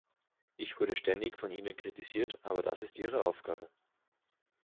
Ich wurde ständig von ihnen kritisiert, aber das ist ihre Aufgabe.